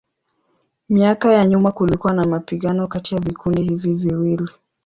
Miaka ya nyuma kulikuwa na mapigano kati ya vikundi hivi viwili.